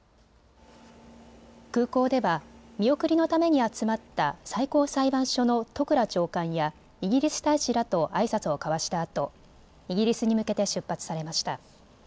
空港では見送りのために集まった最高裁判所の戸倉長官やイギリス大使らとあいさつを交わしたあとイギリスに向けて出発されました。